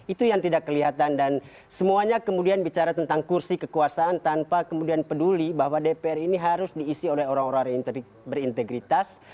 itu yang tidak kelihatan dan semuanya kemudian bicara tentang kursi kekuasaan tanpa kemudian peduli bahwa dpr ini harus diisi oleh orang orang yang berintegritas